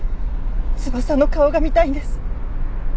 翼の顔が見たいんです。